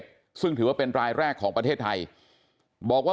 จังหวัดภูเก็ตซึ่งถือว่าเป็นรายแรกของประเทศไทยบอกว่า